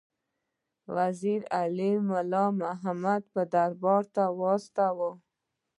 وزیر علي مُلا محمد دربار ته واستاوه.